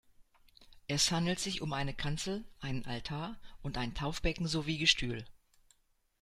Es handelt sich um eine Kanzel, einen Altar und ein Taufbecken sowie Gestühl.